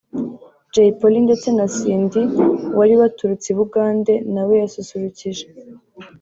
Jay Polly ndetse na Cindy wari waturutse i Bugande nawe yasusurukije